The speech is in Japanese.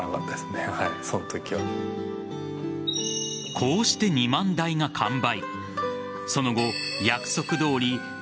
こうして２万台が完売。